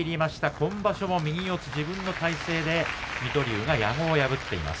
今場所も右四つ、自分の体勢で水戸龍が矢後を破っています。